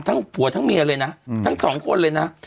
ผัวทั้งเมียเลยนะทั้งสองคนเลยนะ